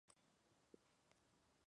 Hojas generalmente divididas.